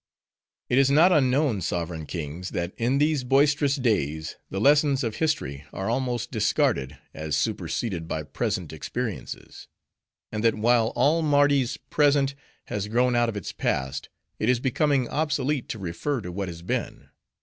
"It is not unknown, sovereign kings! that in these boisterous days, the lessons of history are almost discarded, as superseded by present experiences. And that while all Mardi's Present has grown out of its Past, it is becoming obsolete to refer to what has been.